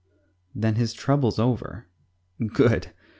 Then his trouble's over. Good!